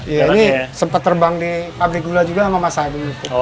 iya ini sempat terbang di pabrik gula juga sama mas adi